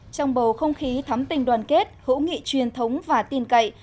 trong bầu không khí thắm tình đoàn kết hữu nghị truyền thống và tin cậy